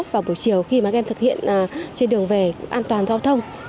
vào buổi chiều khi mà các em thực hiện trên đường về an toàn giao thông